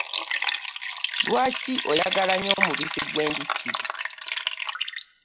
Lwaki oyagala nnyo omubisi gw'enjuki?